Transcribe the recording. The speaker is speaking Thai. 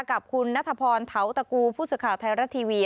กับคุณณธพรท้าวตะกูผู้ศึกข่าวไทยรัฐทีวี